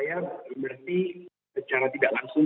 anggapan saya berarti secara tidak langsung